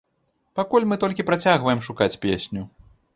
Пакуль мы толькі працягваем шукаць песню.